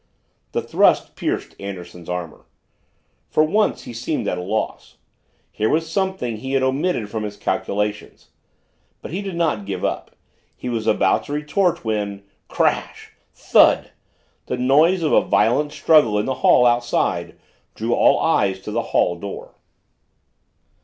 The thrust pierced Anderson's armor. For once he seemed at a loss. Here was something he had omitted from his calculations. But he did not give up. He was about to retort when crash! thud! the noise of a violent struggle in the hall outside drew all eyes to the hall door.